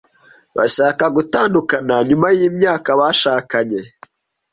Bashaka gutandukana nyuma yimyaka bashakanye.